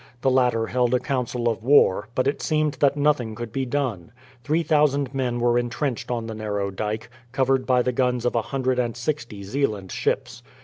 The latter held a council of war, but it seemed that nothing could be done. Three thousand men were entrenched on the narrow dyke, covered by the guns of a hundred and sixty Zeeland ships.